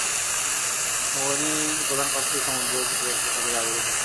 নৌবাহিনী প্রধান দেশটির সমুদ্র প্রতিরক্ষার কাজে দায়বদ্ধ থাকেন।